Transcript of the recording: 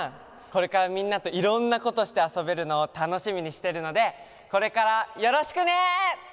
これからみんなといろんなことしてあそべるのをたのしみにしてるのでこれからよろしくね！